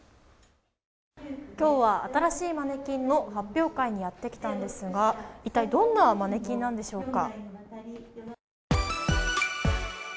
きょうは新しいマネキンの発表会にやって来たんですが、一体どんなマネキンなんでしょうか？